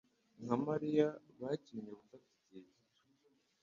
na Mariya bakinnye gufata igihe gito.